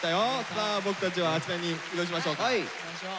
さあ僕たちはあちらに移動しましょうか。